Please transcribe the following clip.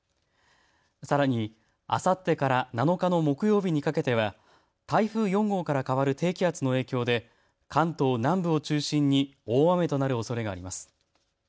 さらに、あさってから７日の木曜日にかけては台風４号から変わる低気圧の影響で関東南部を中心に大雨となるおそれがあります。